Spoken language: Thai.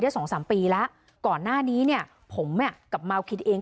สองสามปีแล้วก่อนหน้านี้เนี่ยผมอ่ะกับเมาคินเอง